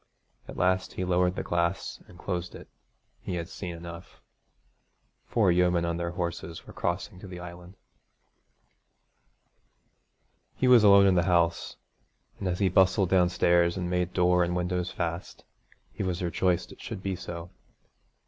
At last he lowered the glass and closed it. He had seen enough. Four yeomen on their horses were crossing to the island. He was alone in the house, and as he bustled downstairs and made door and windows fast, he was rejoiced it should be so.